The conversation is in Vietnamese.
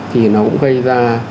thì nó cũng gây ra